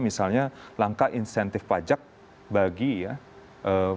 misalnya langkah insentif pajak bagi ya